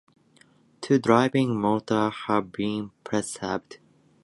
Two driving motors have been preserved.